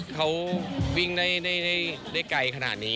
เขาวิ่งได้ไกลขนาดนี้